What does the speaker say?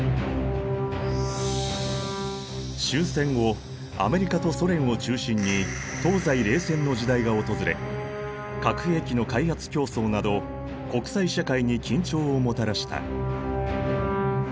終戦後アメリカとソ連を中心に東西冷戦の時代が訪れ核兵器の開発競争など国際社会に緊張をもたらした。